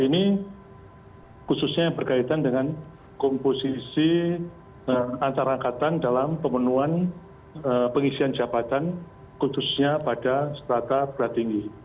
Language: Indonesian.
ini khususnya berkaitan dengan komposisi antarangkatan dalam pemenuhan pengisian jabatan khususnya pada setelah berat tinggi